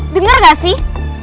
dengar gak sih